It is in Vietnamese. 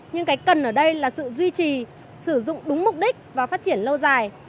nhưng cái cần ở đây là sự duy trì sử dụng đúng mục đích và phát triển lâu dài